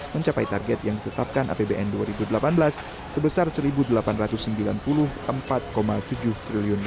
mencapai target yang ditetapkan apbn dua ribu delapan belas sebesar rp satu delapan ratus sembilan puluh empat tujuh triliun